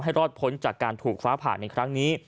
รอดพ้นจากการถูกฟ้าผ่าในครั้งนี้